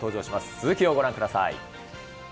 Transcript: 続きをご覧ください。